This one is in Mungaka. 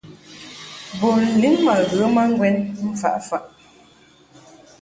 Bun lin ma ghə ma ŋgwɛn mfaʼ faʼ.